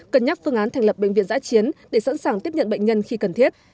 cân nhắc phương án thành lập bệnh viện giã chiến để sẵn sàng tiếp nhận bệnh nhân khi cần thiết